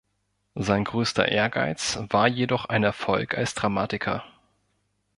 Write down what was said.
Sein größter Ehrgeiz war jedoch ein Erfolg als Dramatiker.